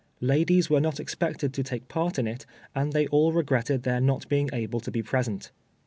Ladies were not expected to take part in it, and they all regretted their not being able to be present.